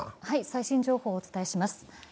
最新情報をお伝えします。